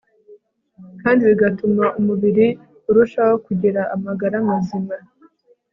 kandi bigatuma umubiri urushaho kugira amagara mazima